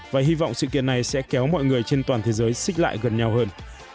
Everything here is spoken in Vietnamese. và hy vọng sự kiện này sẽ kéo mọi người trên toàn thế giới xích lại gần nhau hơn